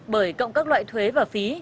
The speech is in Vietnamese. bởi cộng các loại thuế và phí